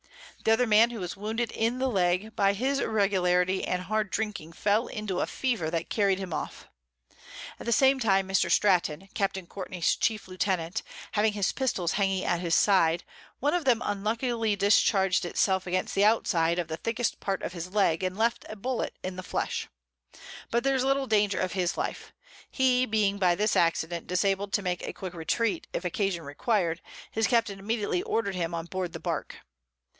The other Man who was wounded in the Leg, by his Irregularity and hard drinking fell into a Fever that carried him off. At the same time Mr. Stratton, Capt. Courtney's chief Lieutenant, having his Pistols hanging at his Side, one of them unluckily discharg'd it self against the Outside of the thickest part of his Leg, and left a Bullet in the Flesh; but there's little Danger of his Life: He being by this Accident disabled to make a quick Retreat, if occasion requir'd, his Captain immediately order'd him on board the Bark.